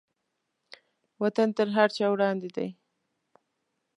وطن تر هر چا وړاندې دی.